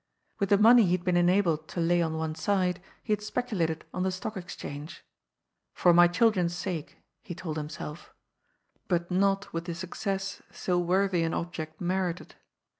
With the money he had been enabled to lay on one side he had speculated on the Stock Exchange— ^* for my children's sake," he told himself, but not with the suc cess so worthy an object merited.